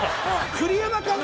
栗山監督